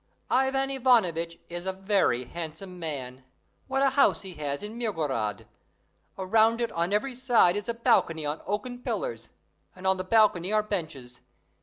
Ivan Ivanovitch is a very handsome man. What a house he has in Mirgorod! Around it on every side is a balcony on oaken pillars, and on the balcony are benches.